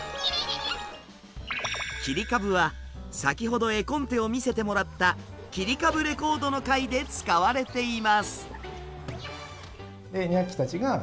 切り株は先ほど絵コンテを見せてもらった「きりかぶレコード」の回で使われています。